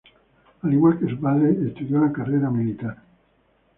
Al igual que su padre, estudió la carrera militar.